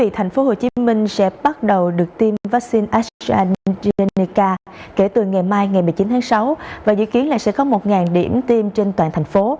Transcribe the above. thành phố hồ chí minh sẽ bắt đầu được tiêm vaccine astrazeneca kể từ ngày mai một mươi chín tháng sáu và dự kiến sẽ có một điểm tiêm trên toàn thành phố